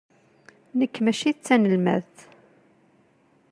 Nekk mačči d tanelmadt.